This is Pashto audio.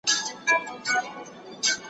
زه به سبا د سوالونو جواب ورکړم؟!